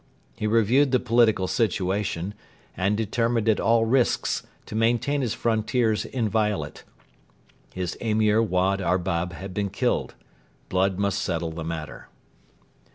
He reviewed the political situation, and determined at all risks to maintain his frontiers inviolate. His Emir Wad Arbab had been killed. Blood must settle the matter.